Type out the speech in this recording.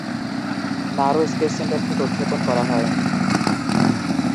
Narrow Space Centre থেকে উৎক্ষেপণ করা হয়।